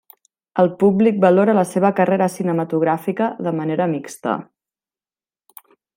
El públic valora la seva carrera cinematogràfica de manera mixta.